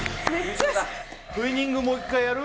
ウィニングもう１回やる？